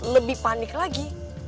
lebih panik lagi